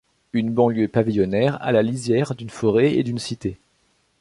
Une banlieue pavillonnaire à la lisière d’une forêt et d’une cité.